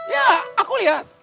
ya aku lihat